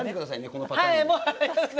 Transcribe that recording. このパターンに。